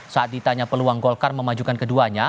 saat ditanya peluang golkar memajukan keduanya